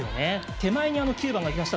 手前に９番が来ました。